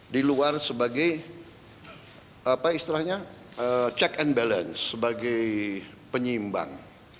di luar sebagai apa istilahnya check and balance sebagai penyimbang